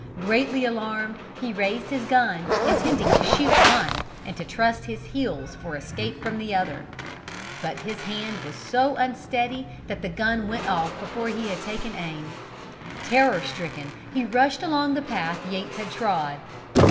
Greatly alarmed he raised his gun, intending to shoot one and to trust to his heels for escape from the other. But his hand was so unsteady that the gun went off before he had taken aim. Terror stricken, he rushed along the path Yates had trod.